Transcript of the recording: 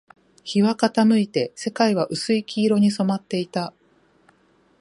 日は傾いて、世界は薄い黄色に染まっていた